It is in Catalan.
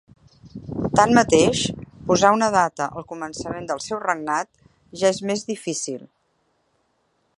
Tanmateix, posar una data al començament del seu regnat ja és més difícil.